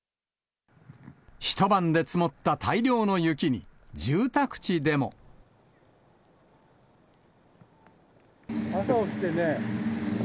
一晩で積もった大量の雪に、住宅地でも。